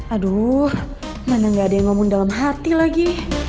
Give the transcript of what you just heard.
aduh mana gak ada yang ngomong dalam hati lagi